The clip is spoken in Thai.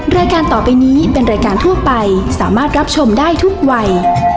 รายการต่อไปนี้เป็นรายการทั่วไปสามารถรับชมได้ทุกวัย